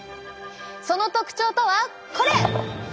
その特徴とはこれ。